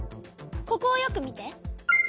ここをよく見て。